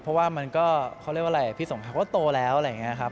เพราะว่ามันก็เขาเรียกว่าอะไรพี่สงเขาก็โตแล้วอะไรอย่างนี้ครับ